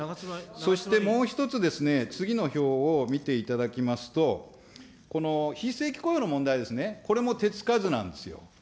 そしてもう一つですね、次の表を見ていただきますと、非正規雇用の問題ですね、これも手付かずなんですよ。